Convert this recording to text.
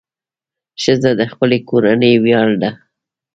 ښځه د خپلې کورنۍ ویاړ ده.